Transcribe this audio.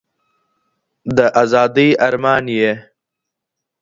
د ازادۍ ارمان یې